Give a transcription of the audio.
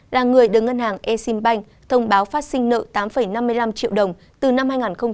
là người đưa ngân hàng eximbank thông báo phát sinh nợ tám năm mươi năm triệu đồng từ năm hai nghìn một mươi ba